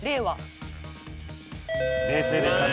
冷静でしたね。